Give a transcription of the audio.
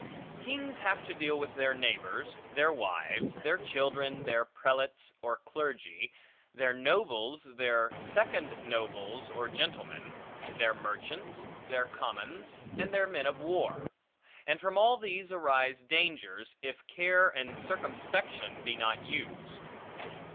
Kings have to deal with their neighbors, their wives, their children, their prelates or clergy, their nobles, their second nobles or gentlemen, their merchants, their commons, and their men of war; and from all these arise dangers, if care and circumspection be not used.